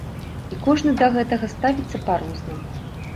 І кожны да гэтага ставіцца па-рознаму.